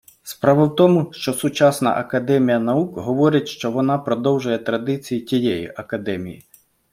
Справа в тому що сучасна академія наук говорить що вона продовжує традиції тієї академії